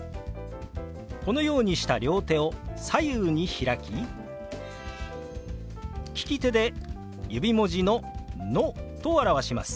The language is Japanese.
このようにした両手を左右に開き利き手で指文字の「ノ」と表します。